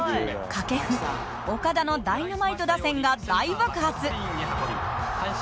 掛布岡田のダイナマイト打線が大爆発。